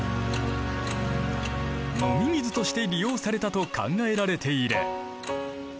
飲み水として利用されたと考えられている。